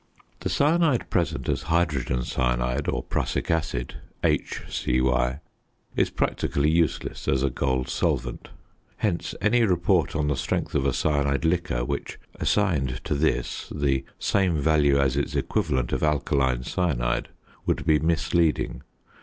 The cyanide present as hydrogen cyanide or prussic acid (HCy) is practically useless as a gold solvent. Hence any report on the strength of a cyanide liquor which assigned to this the same value as its equivalent of alkaline cyanide would be misleading.